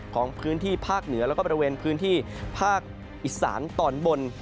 ของพื้นที่ภาคเหนือแล้วก็บริเวณพื้นที่ภาคอีสานตอนบน